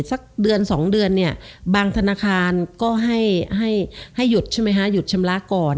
สักเดือน๒เดือนเนี่ยบางธนาคารก็ให้หยุดชำระก่อน